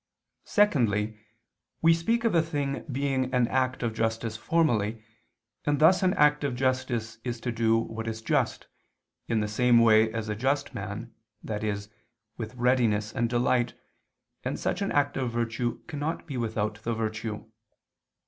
Secondly, we speak of a thing being an act of justice formally, and thus an act of justice is to do what is just, in the same way as a just man, i.e. with readiness and delight, and such an act of virtue cannot be without the virtue.